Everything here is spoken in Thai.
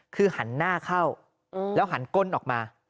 คือหันหน้าเข้าแล้วหันก้นออกมา